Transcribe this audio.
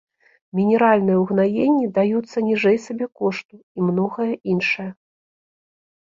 Мінеральныя ўгнаенні даюцца ніжэй сабекошту, і многае іншае.